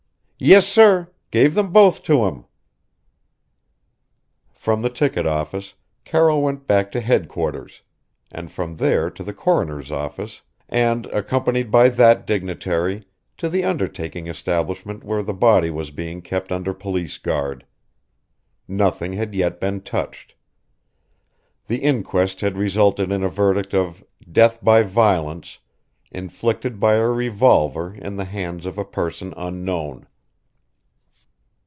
"Yes, sir gave them both to him." From the ticket office Carroll went back to headquarters, and from there to the coroner's office, and, accompanied by that dignitary, to the undertaking establishment where the body was being kept under police guard. Nothing had yet been touched. The inquest had resulted in a verdict of "death by violence, inflicted by a revolver in the hands of a person unknown."